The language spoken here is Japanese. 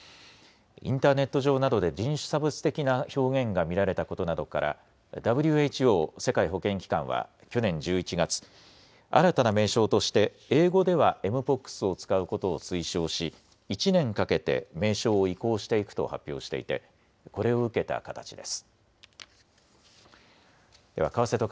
インターネット上などで人種差別的な表現が見られたことなどからＷＨＯ・世界保健機関は去年１１月、新たな名称として英語ではｍｐｏｘを使うことを推奨し１年かけて名称を移行していくと発表していてこれを受けた形です。